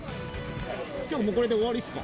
今日はもうこれで終わりですか？